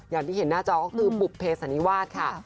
อย่างที่เห็นหน้าจอก็คือบุภเพสันนิวาสค่ะ